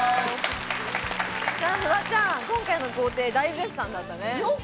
フワちゃん、今回の豪邸、大絶賛だったね。